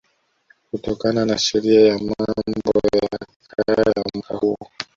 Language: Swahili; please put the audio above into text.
kutokana na Sheria ya Mambo ya Kale ya mwaka huo